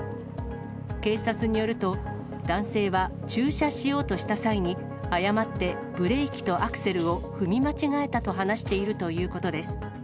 警察によると、男性は駐車しようとした際に、誤ってブレーキとアクセルを踏み間違えたと話しているということです。